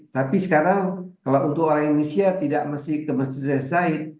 tapi sekarang kalau untuk orang indonesia tidak mesti ke masjid zaid